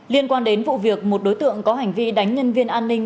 liên quan đến vụ việc một đối tượng có hành vi đánh nhân viên an ninh